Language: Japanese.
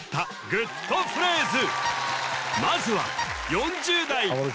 グッとフレーズ